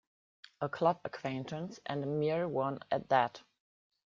A club acquaintance, and a mere one at that.